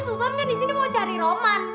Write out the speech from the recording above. susan kan di sini mau cari roman